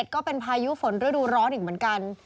ก็เป็นพายุฝนฤดูร้อนอีกเหมือนกัน